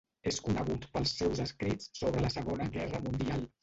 És conegut pels seus escrits sobre la Segona Guerra Mundial.